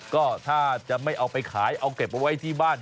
ก็ถ้าจะไม่เอาไปขายเอาเก็บเอาไว้ที่บ้าน